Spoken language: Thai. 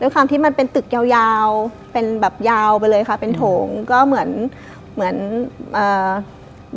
ความที่มันเป็นตึกยาวยาวเป็นแบบยาวไปเลยค่ะเป็นโถงก็เหมือนเหมือนเอ่อ